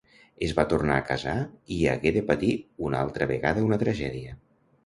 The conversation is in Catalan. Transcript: Es va tornar a casar i hagué de patir una altra vegada una tragèdia.